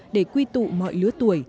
để quy tụ mọi lứa tuổi